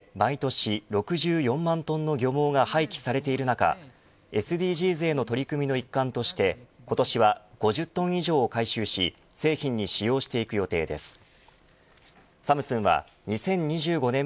世界で毎年６４万トンの漁網が廃棄されている中ＳＤＧｓへの取り組みの一環として今年は５０トン以上を回収し製品に使用していく予定です。